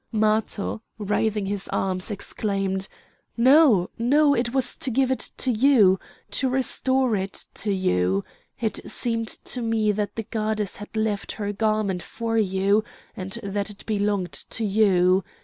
Matho, writhing his arms, exclaimed: "No! no! it was to give it to you! to restore it to you! It seemed to me that the goddess had left her garment for you, and that it belonged to you!